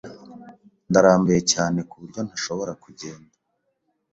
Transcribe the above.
Ndarambiwe cyane ku buryo ntashobora kugenda.